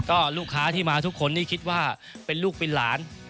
ก็ลูกค้าที่มาทุกคนนี่คิดว่าเป็นลูกเป็นหลาน